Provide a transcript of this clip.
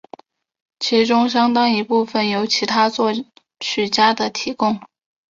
其中相当一部分由其他作曲家的提供。